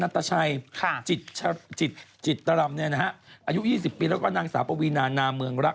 อายุ๒๐ปีแล้วก็นางสาปวีนานามเมืองรัก